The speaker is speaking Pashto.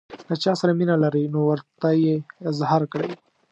له چا سره مینه لرئ نو ورته یې اظهار کړئ.